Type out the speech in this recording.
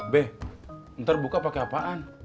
be ntar buka pake apaan